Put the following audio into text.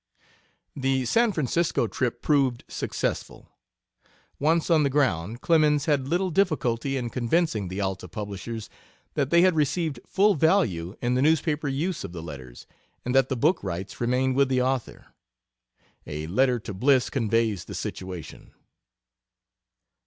The San Francisco trip proved successful. Once on the ground Clemens had little difficulty in convincing the Alta publishers that they had received full value in the newspaper use of the letters, and that the book rights remained with the author. A letter to Bliss conveys the situation.